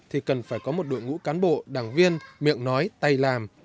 thì cần phải có một đội ngũ cán bộ đảng viên miệng nói tay làm